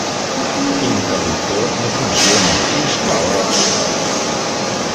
L'interruptor no funciona, quins pebrots!